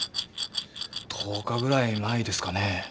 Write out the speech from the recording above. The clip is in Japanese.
１０日ぐらい前ですかね。